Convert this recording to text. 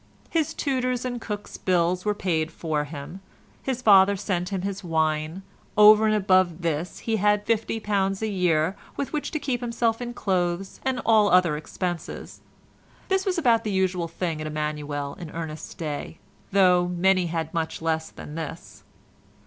His tutor's and cook's bills were paid for him; his father sent him his wine; over and above this he had £50 a year with which to keep himself in clothes and all other expenses; this was about the usual thing at Emmanuel in Ernest's day, though many had much less than this.